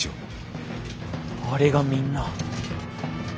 あれがみんな。